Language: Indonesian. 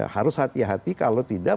harus hati hati kalau tidak